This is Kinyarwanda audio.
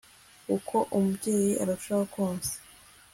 uko umubyeyi arushaho konsa